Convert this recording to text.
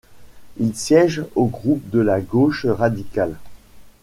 Il siège au groupe de la Gauche radicale.